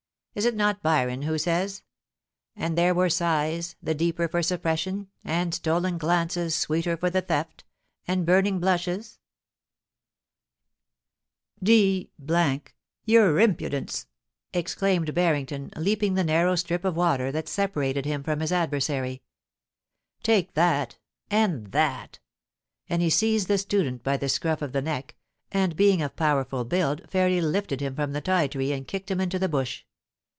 Is it not Byron who says : THE UPS THAT WERE NEAREST. 213 An4 there were sighs, the deeper for suppression ; And stolen glances, sweeter for the theft ; And burning blushes "?D your impudence T exclaimed Barrington, leaping the narrow strip of water that separated him from his ad versary. * Take that, and that '— and he seized the student by the scruff of the neck, and being of powerful build, fairly lifted him from the ti tree and kicked him into the bush.